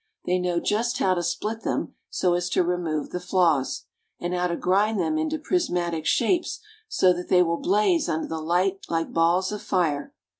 They know just how to split them so as to remove the flaws, and how to grind them into prismatic shapes so that they will blaze under the light like balls of fire.